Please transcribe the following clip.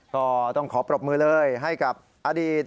ก็ต้องขอปรบมือเลยให้กับอดีต